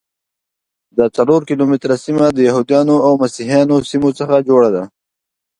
دا څلور کیلومتره سیمه د یهودانو او مسیحیانو سیمو څخه جوړه ده.